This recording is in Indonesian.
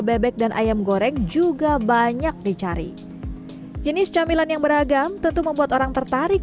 bebek dan ayam goreng juga banyak dicari jenis camilan yang beragam tentu membuat orang tertarik